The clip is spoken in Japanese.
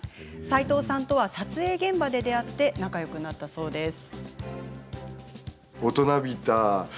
斎藤さんとは撮影現場で出会い仲よくなったそうです。